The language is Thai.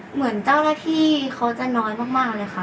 เหมือนเจ้าหน้าที่เขาจะน้อยมากเลยค่ะ